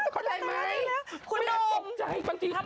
เข้าใจไหมไม่ได้ตกใจบางทีก็คุณหนุ่ม